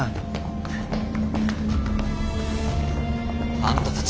あんたたち